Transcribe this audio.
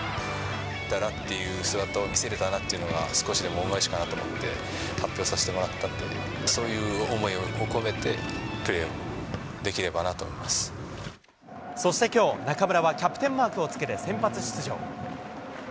出たなっていう姿を見せることが、少しでも恩返しかなって思って、発表させてもらったという、そういう思いを込めて、プレーでそしてきょう、中村はキャプテンマークをつけて先発出場。